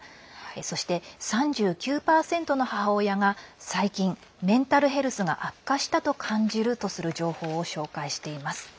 そして、３９％の母親が最近、メンタルヘルスが悪化したと感じるとする情報を紹介しています。